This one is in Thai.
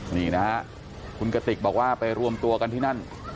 นี่นะฮะคุณกติกบอกว่าไปรวมตัวกันที่นั่น